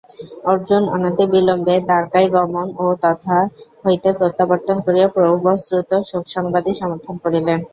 অর্জুন অনতিবিলম্বে দ্বারকায় গমন ও তথা হইতে প্রত্যাবর্তন করিয়া পূর্বশ্রুত শোকসংবাদই সমর্থন করিলেন।